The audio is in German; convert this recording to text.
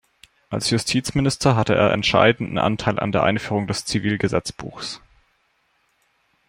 Als Justizminister hatte er entscheidenden Anteil an der Einführung des Zivilgesetzbuches.